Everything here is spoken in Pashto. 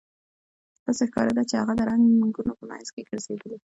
داسې ښکاریده چې هغه د رنګونو په مینځ کې ګرځیدلې